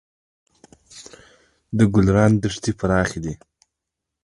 د ګلران دښتې پراخې دي